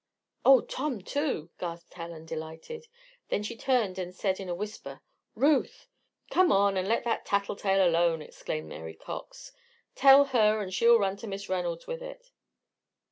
"Oh, Tom, too!" gasped Helen, delighted. Then she turned and said, in a whisper: "Ruth!" "Come on and let that tattle tale alone!" exclaimed Mary Cox. "Tell her, and she'll run to Miss Reynolds with it."